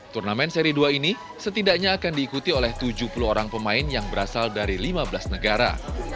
turnamen seri dua ini setidaknya akan diikuti oleh tujuh puluh orang pemain yang berasal dari lima belas negara